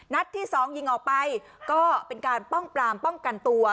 ที่สองยิงออกไปก็เป็นการป้องปลามป้องกันตัว